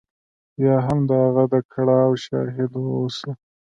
یا هم د هغه د کړاو شاهد واوسو.